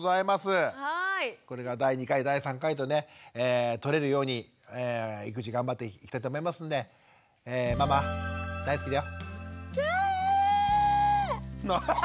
これから第２回第３回とね取れるように育児頑張っていきたいと思いますんでキャー！